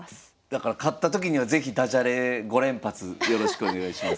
だから勝ったときには是非ダジャレ５連発よろしくお願いします。